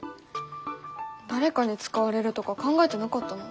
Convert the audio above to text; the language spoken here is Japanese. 誰かに使われるとか考えてなかったな。